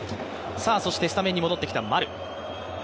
そしてスタメンに戻ってきた丸。